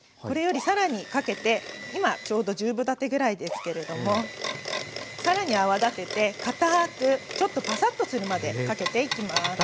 これよりさらにかけて今ちょうど十分立てぐらいですけれどもさらに泡立てて堅くちょっとパサッとするまでかけていきます。